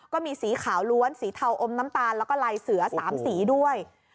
ก็มีสีขาวล้วนสีเทาอมน้ำตาลแล้วก็ลายเสือ๓สีด้วย